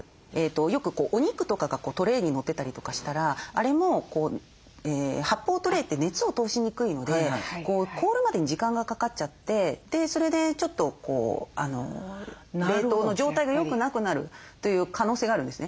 よくお肉とかがトレーに載ってたりとかしたらあれも発泡トレーって熱を通しにくいので凍るまでに時間がかかっちゃってそれでちょっと冷凍の状態がよくなくなるという可能性があるんですね。